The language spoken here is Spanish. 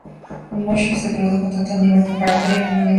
El Wushu se introdujo tanto a nivel preparatoria como universitario.